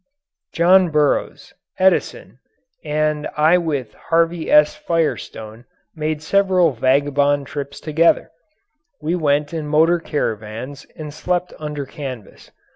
John Burroughs, Edison, and I with Harvey S. Firestone made several vagabond trips together. We went in motor caravans and slept under canvas.